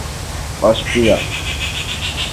Austria